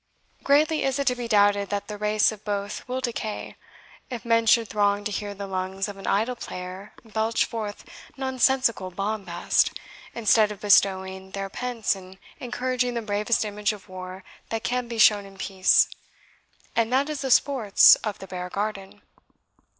Greatly is it to be doubted that the race of both will decay, if men should throng to hear the lungs of an idle player belch forth nonsensical bombast, instead of bestowing their pence in encouraging the bravest image of war that can be shown in peace, and that is the sports of the Bear garden.